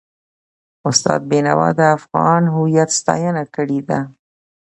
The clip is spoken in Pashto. استاد بینوا د افغان هویت ستاینه کړې ده.